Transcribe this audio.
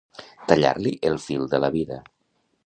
Tallar-li el fil de la vida.